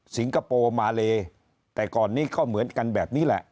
คโปร์มาเลแต่ก่อนนี้ก็เหมือนกันแบบนี้แหละ